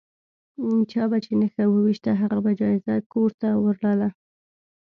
چا به چې نښه وویشته هغه به جایزه کور ته وړله.